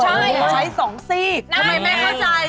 ใช่ใช้๒ซีกทำไมแม่เข้าใจ